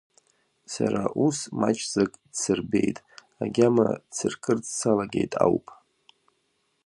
Сара ус маҷӡак дсырбеит, агьама дсыркырц салагеит ауп.